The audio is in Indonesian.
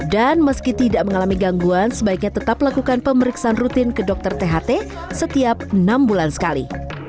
dan meski tidak mengalami gangguan sebaiknya tetap lakukan pemeriksaan rutin ke dokter tht setiap enam bulan sekali